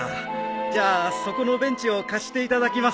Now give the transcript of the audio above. じゃあそこのベンチを貸していただきます。